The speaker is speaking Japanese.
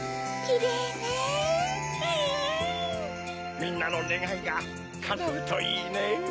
みんなのねがいがかなうといいねぇ。